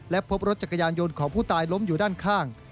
และพบรถจักรยานยนต์ของผู้ตายล้มอยู่ด้านข้าง